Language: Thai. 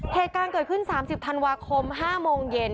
เหตุการณ์เกิดขึ้น๓๐ธันวาคม๕โมงเย็น